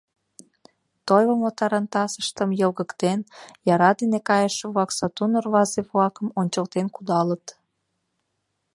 Тойлымо тарантасыштым йылгыктен, яра дене кайыше-влак сатуан орвазе-влакым ончылтен кудалыт.